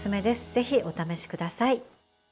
ぜひ、お試しください。